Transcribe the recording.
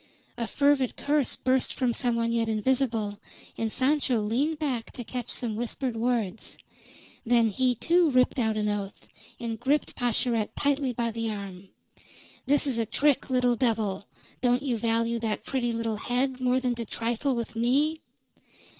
A fervid curse burst from some one yet invisible, and Sancho leaned back to catch some whispered words. Then he, too, ripped out an oath, and gripped Pascherette tightly by the arm. "This is a trick, little devil! Don't you value that pretty little head more than to trifle with me?"